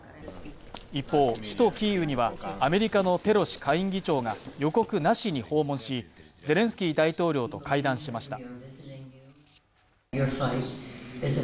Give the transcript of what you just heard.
一方、首都キーウにはアメリカのペロシ下院議長が予告なしに訪問しゼレンスキー大統領と会談しました。